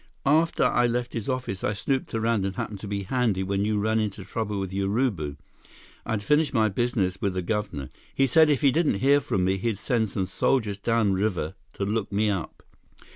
"After I left his office, I snooped around and happened to be handy when you ran into trouble with Urubu. I'd finished my business with the governor. He said if he didn't hear from me, he'd send some soldiers downriver to look me up."